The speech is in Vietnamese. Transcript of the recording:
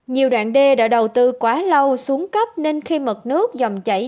nhiều đoạn đê đã đầu tư quá lâu xuống cấp nên khi mực nước dòng chảy